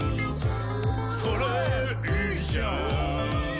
「それいーじゃん」